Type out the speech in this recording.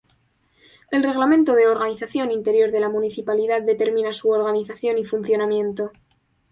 El reglamento de organización interior de la municipalidad determina su organización y funcionamiento.